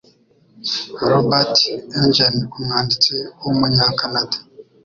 Robert Engen, umwanditsi w'Umunya-Canada,